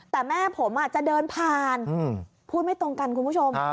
แต่แม่ผมจะเดินผ่านพูดไม่ตรงกันคุณผู้ชม